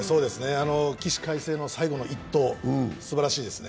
起死回生の最後の１投、すばらしいですね。